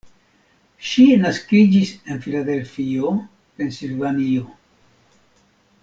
Ŝi naskiĝis en Filadelfio, Pensilvanio.